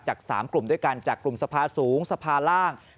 จาก๓กลุ่มด้วยกันจากกลุ่มสภาสูงสภาล่าง